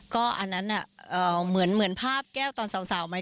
ก็อันนั้นเหมือนภาพแก้วตอนสาวไหม